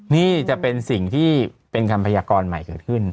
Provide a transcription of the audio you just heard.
นี่จะเป็นสิ่งที่เป็นคำพยากรใหม่เกิดขึ้น